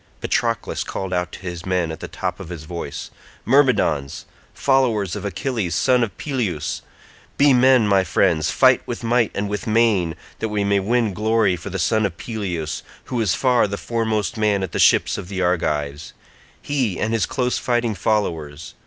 Patroclus called out to his men at the top of his voice, "Myrmidons, followers of Achilles son of Peleus, be men my friends, fight with might and with main, that we may win glory for the son of Peleus, who is far the foremost man at the ships of the Argives—he, and his close fighting followers.